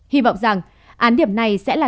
hy vọng rằng án điểm này sẽ là